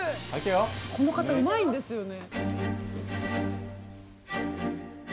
この方うまいんですよね。